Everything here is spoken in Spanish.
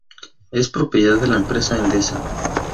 Es propiedad de la empresa Endesa.